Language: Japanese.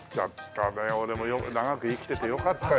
俺もよく長く生きててよかったよ。